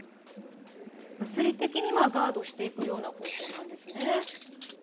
物理的にガードしていく方法なんですね。